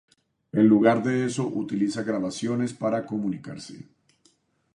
En lugar de eso utiliza grabaciones para comunicarse.